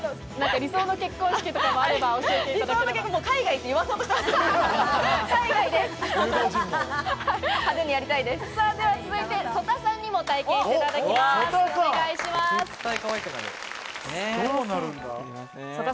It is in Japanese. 理想の結婚式とかあれば、教えていただければ。